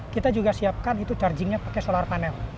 kita juga siapkan itu charging nya pakai solar panel